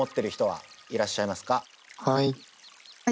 はい。